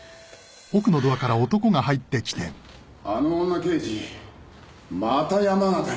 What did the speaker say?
あの女刑事また山形に？